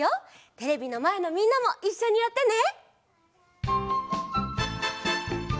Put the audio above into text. テレビのまえのみんなもいっしょにやってね！